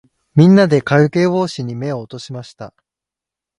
みんなで、かげぼうしに目を落としました。